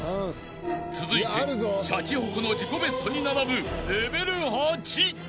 ［続いてシャチホコの自己ベストに並ぶレベル８］